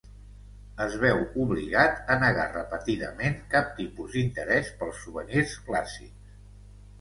Es veu obligat a negar repetidament cap tipus d'interès pels souvenirs clàssics.